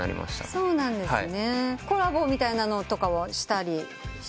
そうなんですね。